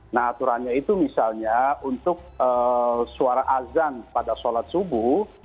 nah aturannya itu misalnya untuk suara azan pada sholat subuh